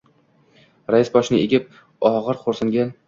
Rais boshini egib, ogʻir xoʻrsingan.